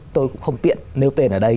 tôi cũng không tiện nêu tên ở đây